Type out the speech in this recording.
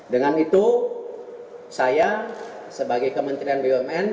dengan itu saya sebagai kementerian bumn